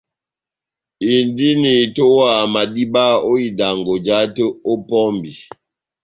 Indini itowaha madíba ó idangɔ, jahate ó pɔmbi.